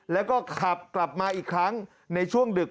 แล้วก็ขับกลับมาอีกครั้งในช่วงดึก